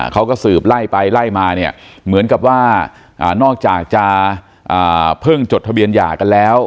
เขาก็สืบไล่ไปไล่มาเนี่ยเหมือนกับว่านอกจากจะเพิ่งจดทะเบียนหย่ากันแล้ว